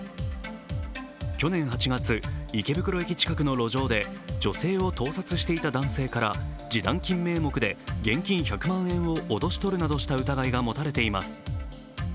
去年８月、池袋駅近くの路上で女性を盗撮していた男性から示談金名目で現金１００間年を脅し取るなどした疑いが持たれています。